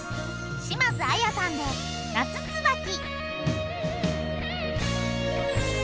島津亜矢さんで『夏つばき』。